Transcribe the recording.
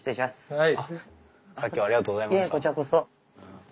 はい。